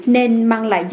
nên mang lại dấu hiệu